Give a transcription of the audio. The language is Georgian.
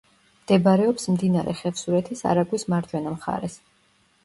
მდებარეობს მდინარე ხევსურეთის არაგვის მარჯვენა მხარეს.